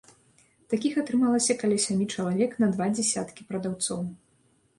Такіх атрымалася каля сямі чалавек на два дзесяткі прадаўцоў.